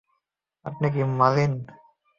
আপনি নাকি মার্লিন?